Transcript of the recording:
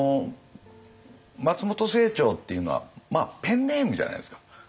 松本清張っていうのはペンネームじゃないですか。